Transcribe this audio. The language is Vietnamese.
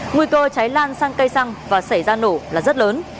nguy cơ cháy lan sang cây xăng và xảy ra nổ là rất lớn